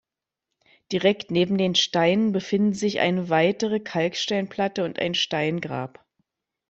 Direkt neben den Steinen befinden sich eine weitere Kalksteinplatte und ein Steingrab.